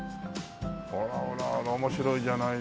あらあらあら面白いじゃないですか。